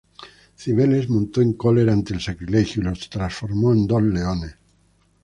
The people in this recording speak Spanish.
Cibeles montó en cólera ante el sacrilegio y los transformó en dos leones.